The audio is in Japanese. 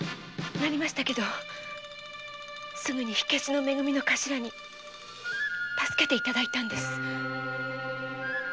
なりましたけどすぐに火消しの「め組」の頭に助けて頂いたんです。